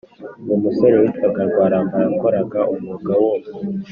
Uwo musore witwaga Rwaramba yakoraga umwuga wo